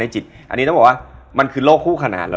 ชื่อโก๊ะค่ะ